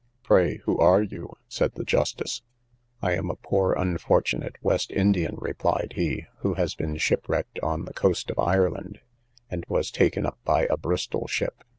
Pray, who are you? said the justice. I am a poor unfortunate West Indian, replied he, who has been shipwrecked on the coast of Ireland, and was taken up by a Bristol ship.